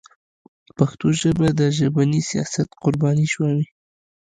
پښتو ژبه د ژبني سیاست قرباني شوې.